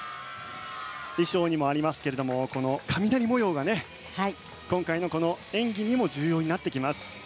衣装にもありますけれども雷模様が今回の演技にも重要になってきます。